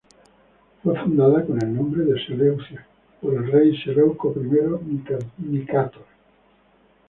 Fue fundada con el nombre de Seleucia por el rey Seleuco I Nicátor.